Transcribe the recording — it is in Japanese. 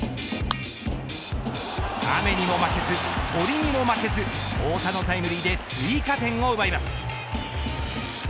雨にも負けず、鳥にも負けず太田のタイムリーで追加点を奪います。